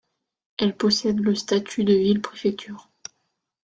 Elle possède le statut de ville-préfecture.